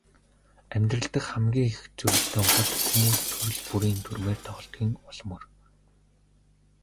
Амьдрал дахь хамгийн их зөрөлдөөн бол хүмүүс төрөл бүрийн дүрмээр тоглодгийн ул мөр.